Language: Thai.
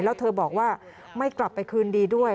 แล้วเธอบอกว่าไม่กลับไปคืนดีด้วย